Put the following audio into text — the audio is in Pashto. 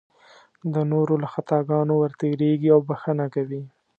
د نورو له خطاګانو ورتېرېږي او بښنه کوي.